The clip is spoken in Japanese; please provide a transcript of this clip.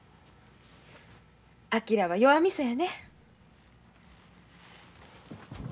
昭は弱みそやね。